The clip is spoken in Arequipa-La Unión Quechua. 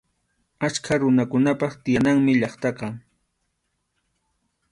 Achka runakunap tiyananmi llaqtaqa.